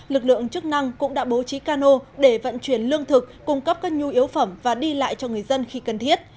lực lượng chức năng cũng đã bố trí cano để vận chuyển lương thực cung cấp các nhu yếu phẩm và đi lại cho người dân khi cần thiết